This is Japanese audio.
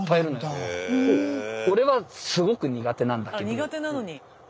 あっ苦手なのに。